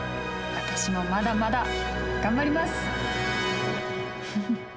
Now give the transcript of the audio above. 私もまだまだ頑張ります！